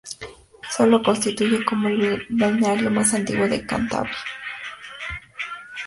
Eso lo constituye como el balneario más antiguo de Cantabria.